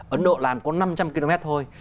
ấn độ làm có năm trăm linh km thôi